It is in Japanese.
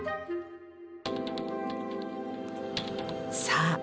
さあ